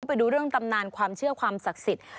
ไปดูเรื่องตำนานความเชื่อความศักดิ์สิทธิ์